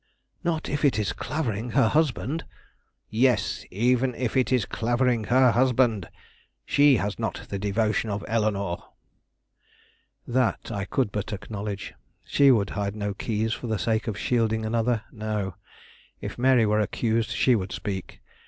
"Not if it is Clavering, her husband." "Yes; even if it is Clavering, her husband. She has not the devotion of Eleanore." That I could but acknowledge. She would hide no keys for the sake of shielding another: no, if Mary were accused, she would speak.